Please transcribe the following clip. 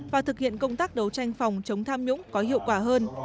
và thực hiện công tác đấu tranh phòng chống tham nhũng có hiệu quả hơn